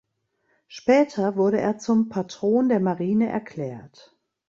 Später wurde er zum Patron der Marine erklärt.